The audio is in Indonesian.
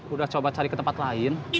udah coba cari ke tempat lain